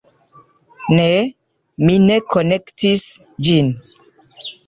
Ne! mi ne konektis ĝin